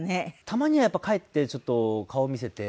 たまにはやっぱり帰ってちょっと顔見せて。